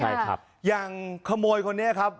อย่างขโมยคนนี้ครับ